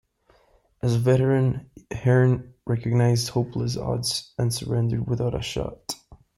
As a veteran Hearne recognised hopeless odds and surrendered without a shot.